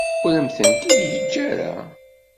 Ur am-tent-id-yeǧǧa ara.